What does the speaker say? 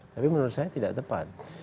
tapi menurut saya tidak tepat